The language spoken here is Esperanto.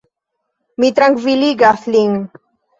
Mi trankviligas lin.